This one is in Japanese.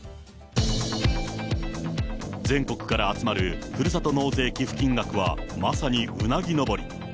全国から集まるふるさと納税寄付金額は、まさにうなぎのぼり。